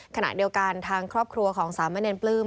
ขณะเดียวกันทางครอบครัวของสามเณรปลื้ม